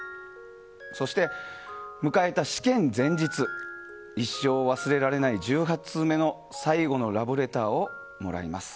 そして迎えた試験前日一生忘れられない１８通目の最後のラブレターをもらいます。